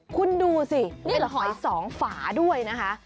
คุณดูสิมีหอยสองฝาด้วยนะคะ